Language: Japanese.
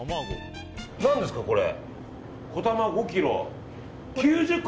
何ですかこれ。